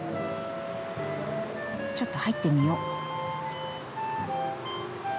ちょっと入ってみよう。